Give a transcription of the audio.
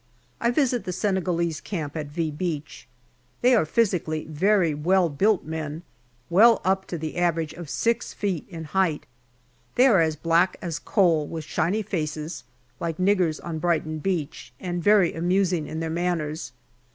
I visit the Senegalese camp at " V " Beach. They are physically very well built men, well up to the average of 6 feet in height. They are as black as coal, with shiny faces, like niggers on Brighton beach, and very amusing in their manners.